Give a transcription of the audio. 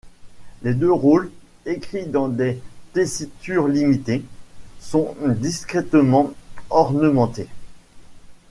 Les deux rôles, écrits dans des tessitures limitées, sont discrètement ornementés.